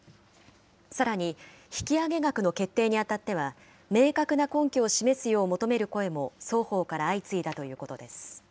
さらに、引き上げ額の決定にあたっては、明確な根拠を示すよう求める声も双方から相次いだということです。